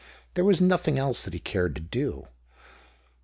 There was nothing else that he cared to do.